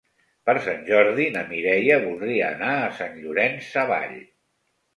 Per Sant Jordi na Mireia voldria anar a Sant Llorenç Savall.